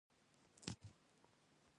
بس بس ګونګي ته پړانګ غار کې.